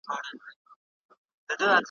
په څه لږو الوتو سو په ځان ستړی `